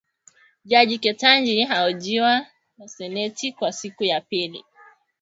Jaji Ketanji ahojiwa na seneti kwa siku ya pili